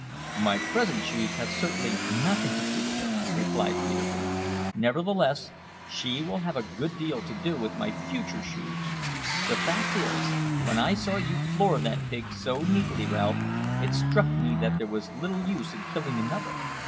"My present shoes have certainly nothing to do with her," replied Peterkin; "nevertheless, she will have a good deal to do with my future shoes. The fact is, when I saw you floor that pig so neatly, Ralph, it struck me that there was little use in killing another.